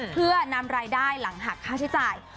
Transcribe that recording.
เพื่อนำรายได้หลังหักค่าใช้จ่าย